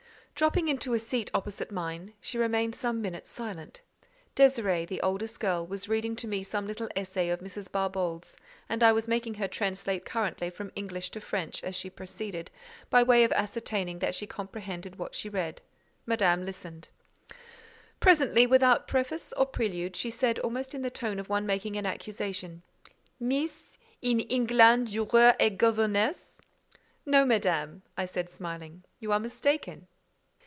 Dropping into a seat opposite mine, she remained some minutes silent. Désirée, the eldest girl, was reading to me some little essay of Mrs. Barbauld's, and I was making her translate currently from English to French as she proceeded, by way of ascertaining that she comprehended what she read: Madame listened. Presently, without preface or prelude, she said, almost in the tone of one making an accusation, "Meess, in England you were a governess?" "No, Madame," said I smiling, "you are mistaken."